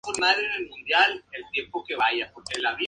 Ambos cursos de agua confluyen antes de desembocar en el río Lluta.